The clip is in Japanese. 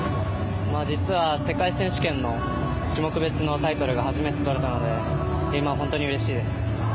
実は、世界選手権の種目別のタイトルが初めてとれたので今は本当にうれしいです。